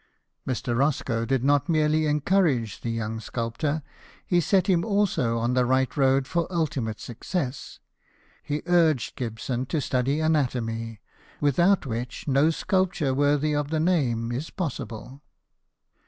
Mr. Roscoe did not merely encourage the young sculptor ; he set him also on the right road for ultimate success. He urged Gibson to study anatomy, without which no sculpture worthy of the name is possible.